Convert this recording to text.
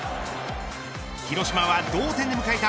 広島は同点で迎えた